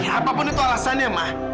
apapun itu alasannya ma